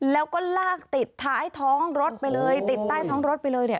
แล้วก็ลากติดท้ายท้องรถไปเลยติดใต้ท้องรถไปเลยเนี่ย